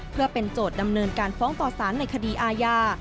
เพื่อเป็นโจทย์ดำเนินการฟ้องต่อสารในคดีอาญา